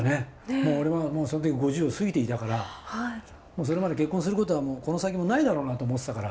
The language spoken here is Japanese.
もう俺はその時５０を過ぎていたからそれまでは結婚することはこの先もないだろうなんて思ってたから。